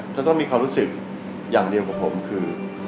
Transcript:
จะต้องมีความรู้สึกอย่างเดียวกับผมคือ